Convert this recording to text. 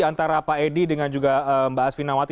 antara pak edi dengan juga mbak asfi nawati